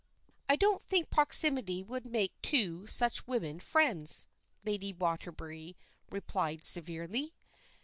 "I don't think proximity would make two such women friends," Lady Waterbury replied severely.